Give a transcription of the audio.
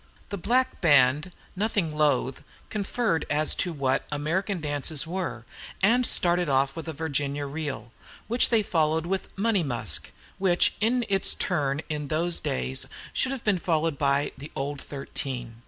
The black band, nothing loath, conferred as to what "American dances" were, and started off with "Virginia Reel," which they followed with "Money Musk," which, in its turn in those days, should have been followed by "The Old Thirteen."